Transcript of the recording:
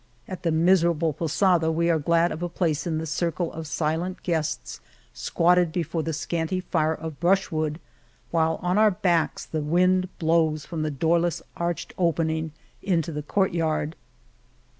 At the miserable posada we are glad of a place in the circle of silent guests squatted before the scanty fire of brushwood, while on our backs the wind blows from the doorless arched opening into the court yard.